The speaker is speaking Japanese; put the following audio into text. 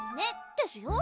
ですよ